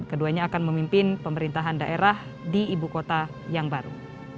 keduanya akan memimpin pemerintahan daerah di ibu kota yang baru